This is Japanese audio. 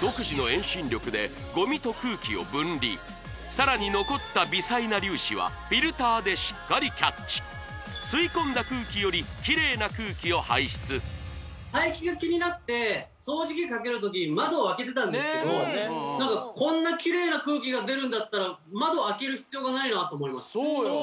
独自の遠心力でゴミと空気を分離さらに残った微細な粒子はフィルターでしっかりキャッチ吸い込んだ空気よりキレイな空気を排出排気が気になって掃除機かける時窓を開けてたんですけど何かこんなキレイな空気が出るんだったら窓を開ける必要がないなと思いましたそうよ